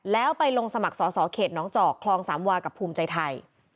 แล้วไปลงสมัครสอสอเขตน้องจอกคลองสามวากับภูมิใจไทย